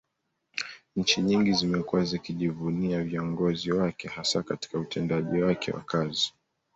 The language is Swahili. Nchi nyingi zimekuwa zikijivunia viongozi wake hasa Katika utendaji wake wa kazi